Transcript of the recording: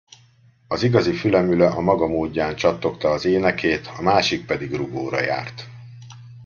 Az igazi fülemüle a maga módján csattogta az énekét, a másik pedig rugóra járt.